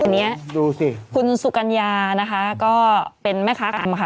อันนี้ดูสิคุณสุกัญญานะคะก็เป็นแม่ค้ากรรมค่ะ